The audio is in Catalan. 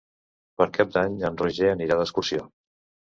Per Cap d'Any en Roger anirà d'excursió.